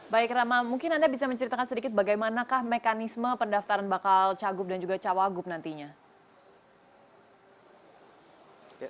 baik rama mungkin anda bisa menceritakan sedikit bagaimanakah mekanisme pendaftaran bakal cagup dan juga cawagup nantinya